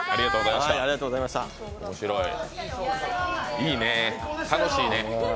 いいね、楽しいね。